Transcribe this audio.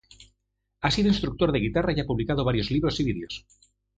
Ha sido instructor de guitarra y ha publicado varios libros y videos.